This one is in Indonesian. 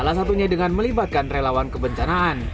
salah satunya dengan melibatkan relawan kebencanaan